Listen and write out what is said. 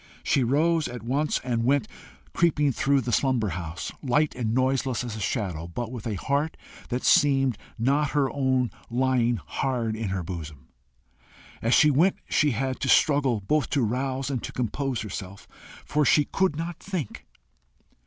She rose at once and went, creeping through the slumberous house, light and noiseless as a shadow, but with a heart that seemed not her own lying hard in her bosom. As she went she had to struggle both to rouse and to compose herself, for she could not think.